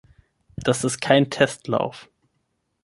Das ist kein Testlauf.